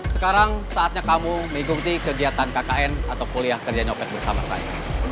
sekarang saatnya kamu mengikuti kegiatan kkn atau kuliah kerja nyopet bersama saya